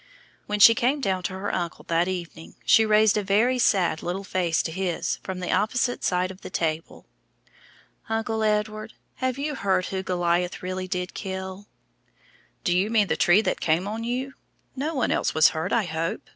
When she came down to her uncle that evening she raised a very sad little face to his from the opposite side of the table. "Uncle Edward, have you heard who Goliath really did kill?" "Do you mean the tree that came on you? No one else was hurt, I hope?"